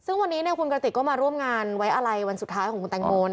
ซึ่งวันนี้คุณกระติกก็มาร่วมงานไว้อะไรวันสุดท้ายของคุณแตงโม